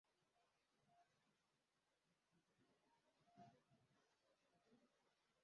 Gukaraba intoki neza cyane